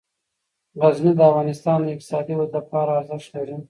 غزني د افغانستان د اقتصادي ودې لپاره ارزښت لري.